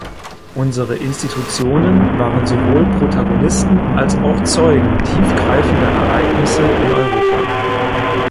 Unsere Institutionen waren sowohl Protagonisten als auch Zeugen tiefgreifender Ereignisse in Europa.